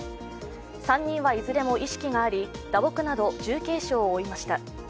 ３人はいずれも意識があり、打撲など重軽傷を負いました。